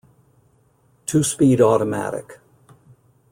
Two speed automatic.